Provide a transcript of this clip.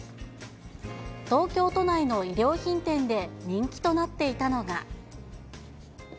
東京都内の衣料品店で人気となっていたのが。